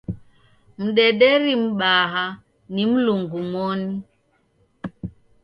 Mdederii mbaha ni Mlungu moni.